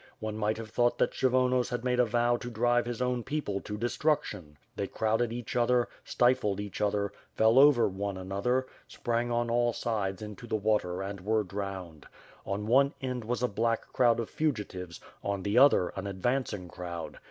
One might have thought that Kshyvonos had made a vow to drive his own people to destruction. They crowded each other, stifled each other, fell over one another, sprang on all sides into the water and were drowned. On one end was a black crowd of fugitives, on the other an advancing crowd.